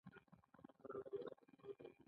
ددې لاتیني کلمې معنی ایجادول یا جوړول دي.